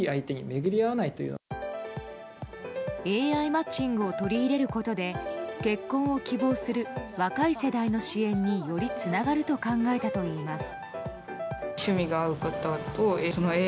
ＡＩマッチングを取り入れることで結婚を希望する若い世代の支援によりつながると考えたといいます。